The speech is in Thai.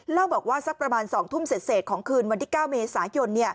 เล่าบอกว่าสักประมาณ๒ทุ่มเสร็จของคืนวันที่๙เมษายน